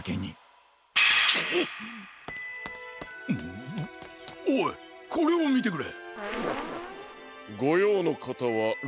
んおいこれをみてくれ！